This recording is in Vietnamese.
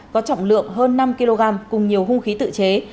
có trọng lượng hơn năm kg cùng nhiều hung khí tự chế